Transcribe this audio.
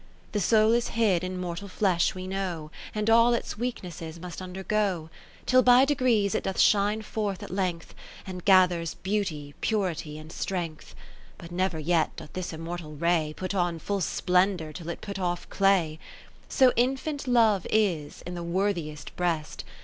The soul is hid in mortal flesh we know, And all its weaknesses must undergo, (559) Till by degrees it does shine forth at length, And gathers Beauty, Purity, and Strength : But never yet doth this immortal ray Put on full splendour till it put off clay :__ 30 So infant Love is, in the worthiest breast.